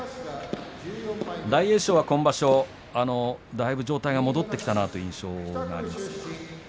大栄翔は今場所だいぶ状態が戻ってきたなという印象があります。